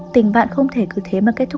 tình bạn không thể cứ thế mà kết thúc